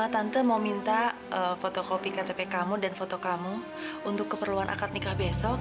tante mau minta fotokopi ktp kamu dan foto kamu untuk keperluan akad nikah besok